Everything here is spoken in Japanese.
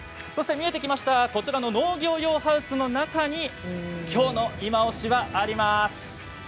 見えてきましたこちらの農業用ハウスの中にきょうの、いまオシがあります。